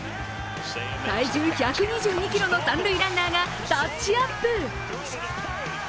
体重１２２ｋｇの三塁ランナーがタッチアップ。